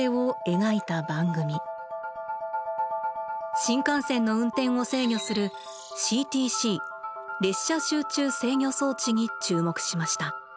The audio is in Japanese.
新幹線の運転を制御するＣＴＣ「列車集中制御装置」に注目しました。